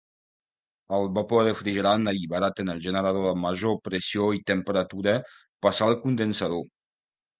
El vapor refrigerant alliberat en el generador a major pressió i temperatura passa al condensador.